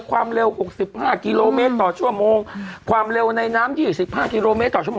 ความเร็ว๖๕กิโลเมตรต่อชั่วโมงความเร็วในน้ำ๒๕กิโลเมตรต่อชั่วโมง